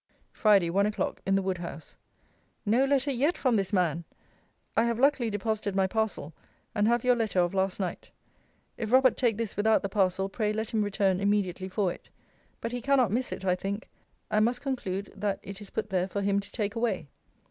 FRIDAY, ONE O'CLOCK, IN THE WOOD HOUSE. No letter yet from this man! I have luckily deposited my parcel, and have your letter of last night. If Robert take this without the parcel, pray let him return immediately for it. But he cannot miss it, I think: and must conclude that it is put there for him to take away.